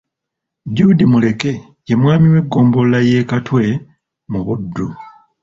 Jude Muleke ye Mwami w'eggombolola y'e Katwe mu Buddu.